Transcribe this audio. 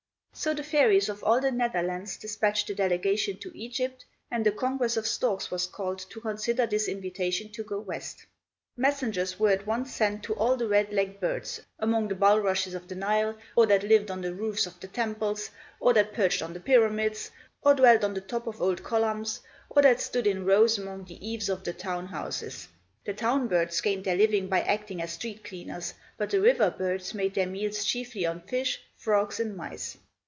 So the fairies of all the Netherlands despatched a delegation to Egypt and a congress of storks was called to consider this invitation to go west. Messengers were at once sent to all the red legged birds, among the bulrushes of the Nile, or that lived on the roofs of the temples, or that perched on the pyramids, or dwelt on the top of old columns, or that stood in rows along the eaves of the town houses. The town birds gained their living by acting as street cleaners, but the river birds made their meals chiefly on fish, frogs, and mice.